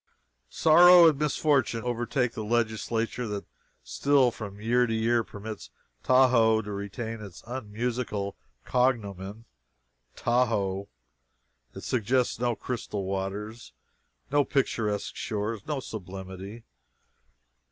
Sorrow and misfortune overtake the legislature that still from year to year permits Tahoe to retain its unmusical cognomen! Tahoe! It suggests no crystal waters, no picturesque shores, no sublimity.